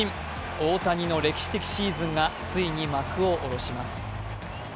大谷の歴史的シーズンがついに幕を下ろします。